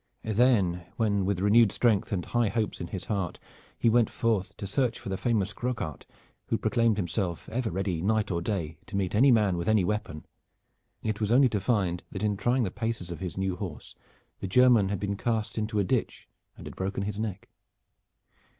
Then, when with renewed strength and high hopes in his heart he went forth to search for the famous Croquart who proclaimed himself ever ready night or day to meet any man with any weapon, it was only to find that in trying the paces of his new horse the German had been cast into a ditch and had broken his neck.